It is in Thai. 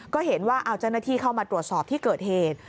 ก็เห็นว่าเอาเจ้าหน้าที่เข้ามาตรวจสอบที่เกิดเหตุ